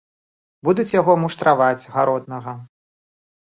Будуць яго муштраваць, гаротнага.